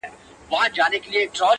• دلته مستي ورانوي دلته خاموشي ورانوي،